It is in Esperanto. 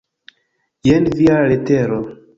Jen via letero.